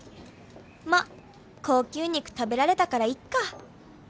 「ま高級肉食べられたからいっか」